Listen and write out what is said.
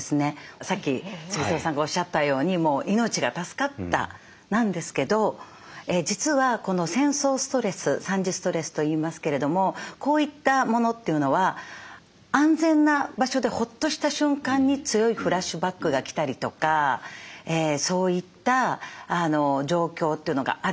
さっきＳＵＧＩＺＯさんがおっしゃったようにもう「命が助かった」なんですけど実はこの戦争ストレス惨事ストレスと言いますけれどもこういったものというのは安全な場所でほっとした瞬間に強いフラッシュバックが来たりとかそういった状況というのがあるんですね。